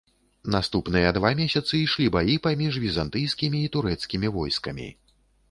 Наступныя два месяцы ішлі баі паміж візантыйскімі і турэцкімі войскамі.